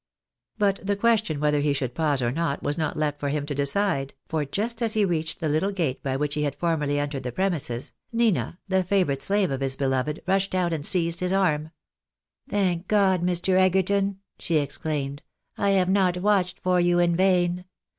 But the question whether he should pause or not was not left for him to decide, for just as he reached the little gate by which he had formerly entered the premises, Nina, the favourite slave of his beloved, rushed out and seized his arm. " Thank God, Mr. Egerton," she exclaimed, " I have not watched for you in vain.